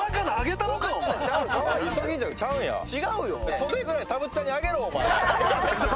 そえぐらいたぶっちゃんにあげろ。